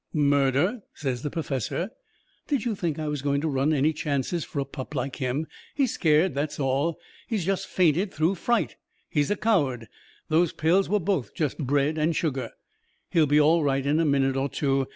"Murder!" says the perfessor. "Did you think I was going to run any chances for a pup like him? He's scared, that's all. He's just fainted through fright. He's a coward. Those pills were both just bread and sugar. He'll be all right in a minute or two.